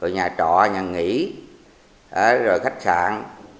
nhà trọ nhà nghỉ khách sạn